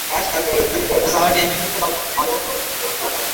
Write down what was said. পালাইবার কী পথ আছে, আমি তো কিছুই জানি না।